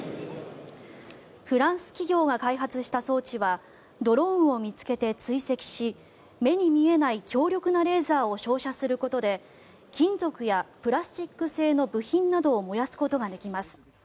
フランス企業が開発した装置はドローンを見つけて追跡し目に見えない強力なレーザーを照射することで金属やプラスチック製の部品などを燃やすことができます。